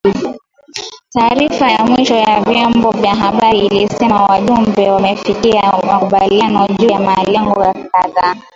Taarifa ya mwisho ya vyombo vya habari ilisema wajumbe wamefikia makubaliano juu ya malengo kadhaa